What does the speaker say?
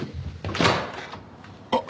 あっ。